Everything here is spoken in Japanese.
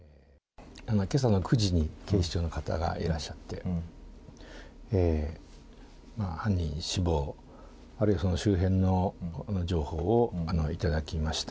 けさの９時に、警視庁の方がいらっしゃって、犯人死亡、あるいはその周辺の情報を頂きました。